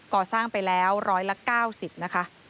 ก่อสร้างไปแล้ว๑๙๐นะคะ